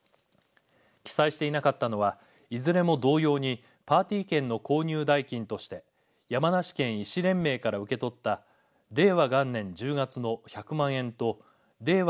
記載していなかったのはいずれも同様にパーティー券の購入代金として山梨県医師連盟から受け取った令和元年１０月の１００万円と令和